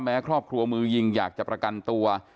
ครอบครัวมือยิงอยากจะประกันตัว